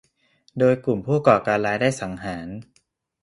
โดยกลุ่มผู้ก่อการร้ายได้สังหาร